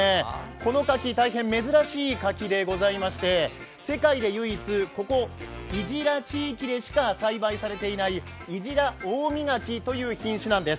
このかき、大変珍しいかきでございまして、世界で唯一伊自良地域でしか栽培されていない、伊自良大実柿という品種なんです。